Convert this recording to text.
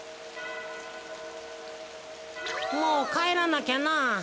もうかえらなきゃなあ。